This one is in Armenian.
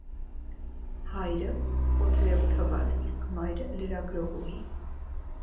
Հայրը՝ օթերևութաբան է, իսկ մայրը՝ լրագրողուհի։